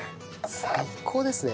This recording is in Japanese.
最高ですね。